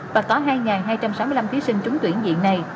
và có hai hai trăm sáu mươi năm thí sinh trúng tuyển diện này